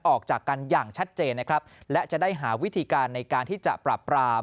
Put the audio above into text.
ออกจากกันอย่างชัดเจนนะครับและจะได้หาวิธีการในการที่จะปรับปราม